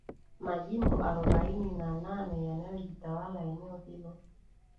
majimbo arobaini na nane yanayojitawala Eneo hilo